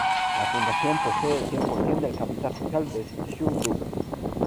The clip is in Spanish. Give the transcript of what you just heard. La fundación posee el cien por cien del capital social del Schunk Group.